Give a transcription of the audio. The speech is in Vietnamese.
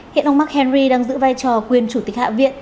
hiện ông mark henry đang giữ vai trò quyền chủ tịch hạ viện